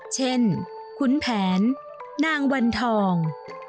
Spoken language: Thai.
เช่นขุนแผนนางวันทอง